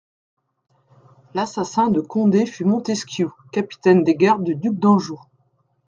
L'assassin de Condé fut Montesquiou, capitaine des gardes du duc d'Anjou.